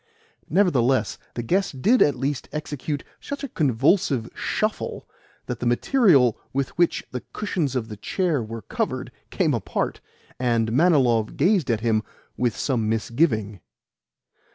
Nevertheless the guest did at least execute such a convulsive shuffle that the material with which the cushions of the chair were covered came apart, and Manilov gazed at him with some misgiving.